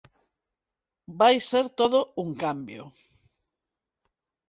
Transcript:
Vai ser todo un cambio